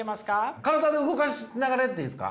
体で動かしながらやっていいですか？